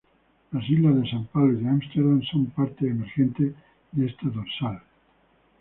Las islas de San Pablo y de Ámsterdam son partes emergentes de esta dorsal.